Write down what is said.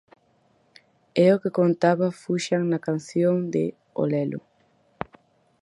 É o que contaba Fuxan na canción de "O Lelo".